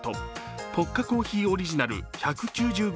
ポッカコーヒーオリジナル１９０ｇ